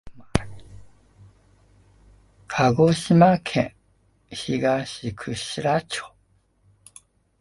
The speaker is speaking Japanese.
鹿児島県東串良町